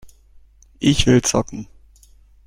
Ich will zocken!